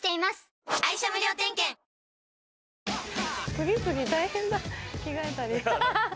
次々大変だ着替えたり。